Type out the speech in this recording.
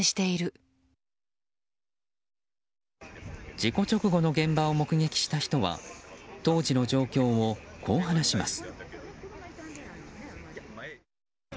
事故直後の現場を目撃した人は当時の状況を、こう話します。